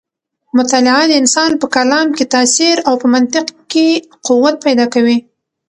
مطالعه د انسان په کلام کې تاثیر او په منطق کې قوت پیدا کوي.